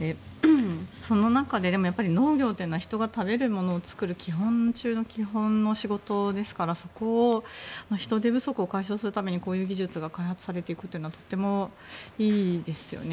その中で農業というのは人が食べるものを作る基本中の基本の仕事ですからそこを人手不足を解消するためにこういう技術が開発されていくというのはとてもいいですよね。